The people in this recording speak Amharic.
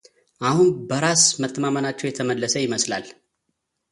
አሁን በራስ መተማመናቸው የተመለሰ ይመስላል።